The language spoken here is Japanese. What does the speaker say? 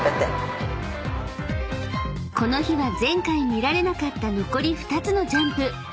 ［この日は前回見られなかった残り２つのジャンプ］